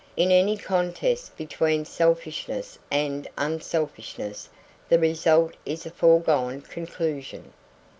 In any contest between selfishness and unselfishness, the result is a foregone conclusion.